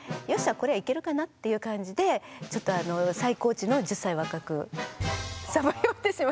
これはいけるかなっていう感じでちょっとあの最高値の１０歳若くさば読んでしまった。